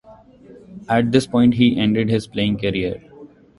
At this point he ended his playing career.